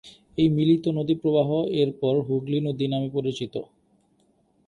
এই মিলিত নদী প্রবাহ এর পর হুগলি নদী নামে পরিচিত।